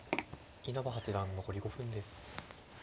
稲葉八段残り５分です。